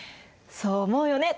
そう思うよね？